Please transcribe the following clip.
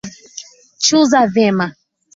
Chuza vyema